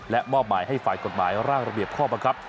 และมอบหมายให้ฝ่ายกฎหมายร่างระเบียบข้อบังคับ